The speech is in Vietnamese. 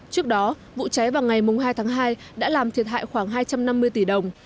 trước đó vụ cháy vào ngày hai tháng hai đã làm thiệt hại khoảng hai trăm năm mươi tỷ đồng